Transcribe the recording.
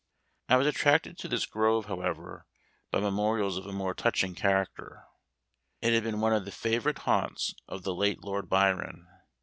I was attracted to this grove, however, by memorials of a more touching character. It had been one of the favorite haunts of the late Lord Byron.